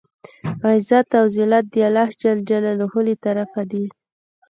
عزت او زلت د الله ج له طرفه دی.